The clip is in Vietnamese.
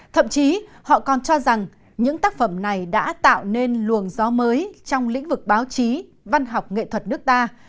thậm chí họ còn cho rằng những tác phẩm này đã tạo nên luồng gió mới trong lĩnh vực báo chí văn học nghệ thuật nước ta